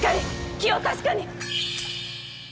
気を確かに！